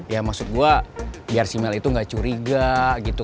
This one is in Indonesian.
ya maksud gue biar simale itu gak curiga gitu